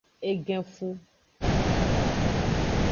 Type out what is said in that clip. Egenfu.